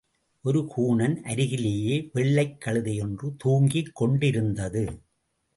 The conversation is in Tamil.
ஒரு கூனன் அருகிலே வெள்ளைக் கழுதையொன்று தூங்கிக் கொண்டிருந்தது.